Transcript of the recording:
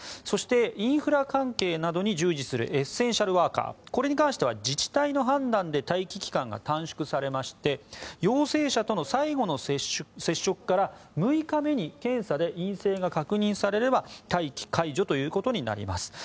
そしてインフラ関係などに従事するエッセンシャルワーカーこれに関しては自治体の判断で待機期間が短縮されまして陽性者との最後の接触から６日目に検査で陰性が確認されれば待機解除ということになります。